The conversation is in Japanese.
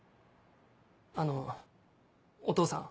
あのお父さん。